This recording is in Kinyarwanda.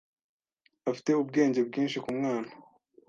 Afite ubwenge bwinshi kumwana.